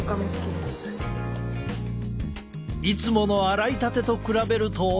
いつもの洗いたてと比べると。